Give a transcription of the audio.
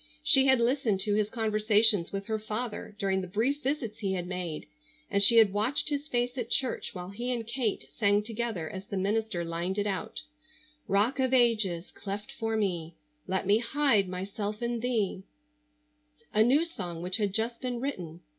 She had listened to his conversations with her father during the brief visits he had made, and she had watched his face at church while he and Kate sang together as the minister lined it out: "Rock of Ages cleft for me, Let me hide myself in Thee," a new song which had just been written.